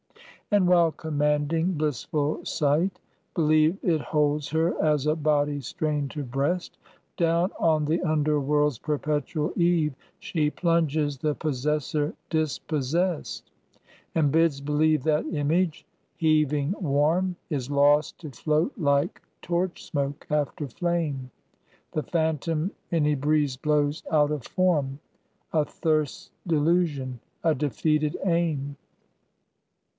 And while commanding blissful sight believe It holds her as a body strained to breast, Down on the underworld's perpetual eve She plunges the possessor dispossessed; And bids believe that image, heaving warm, Is lost to float like torch smoke after flame; The phantom any breeze blows out of form; A thirst's delusion, a defeated aim.